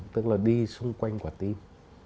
tức là đi xung quanh quả tim